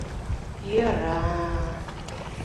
Йӧра-а!..